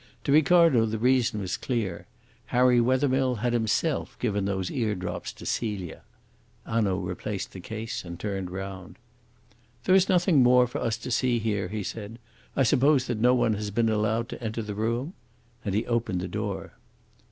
To Ricardo the reason was clear. Harry Wethermill had himself given those ear drops to Celia. Hanaud replaced the case and turned round. "There is nothing more for us to see here," he said. "I suppose that no one has been allowed to enter the room?" And he opened the door.